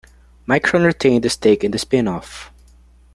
Micron retained a stake in the spinoff.